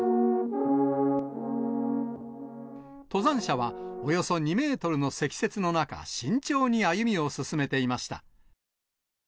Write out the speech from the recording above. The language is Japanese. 登山者はおよそ２メートルの積雪の中、慎重に歩みを進めていました。